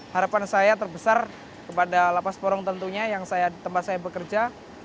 harapan saya terbesar kepada lapas porong tentunya yang tempat saya bekerja